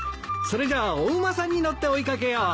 それじゃあお馬さんに乗って追い掛けよう。